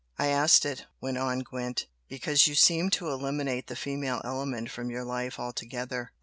"I asked it," went on Gwent "because you seem to eliminate the female element from your life altogether.